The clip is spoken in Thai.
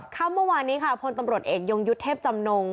เมื่อวานนี้ค่ะพลตำรวจเอกยงยุทธ์เทพจำนง